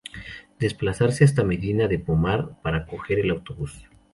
Desplazarse hasta Medina de Pomar para coger el autobús.